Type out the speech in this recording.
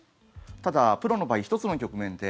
ただ、プロの場合１つの局面で